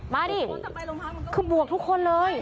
มาดิคือบวกทุกคนเลย